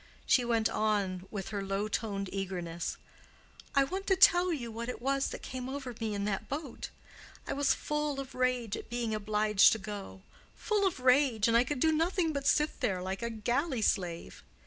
She went on with her low toned eagerness, "I want to tell you what it was that came over me in that boat. I was full of rage at being obliged to go—full of rage—and I could do nothing but sit there like a galley slave.